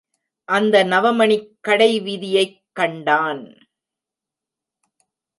அந்த நவமணிக் கடைவிதியைக் கண்டான்.